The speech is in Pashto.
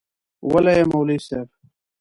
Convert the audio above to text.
وله يي مولوي صيب